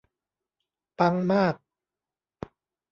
ปังมาก